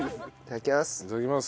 いただきます。